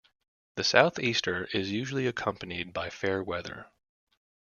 The South Easter is usually accompanied by fair weather.